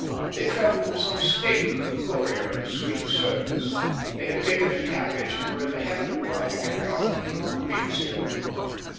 They travelled in some state, with a courier and a suite of servants; they had taken a carriage and were in the habit of driving every afternoon on the Pincio.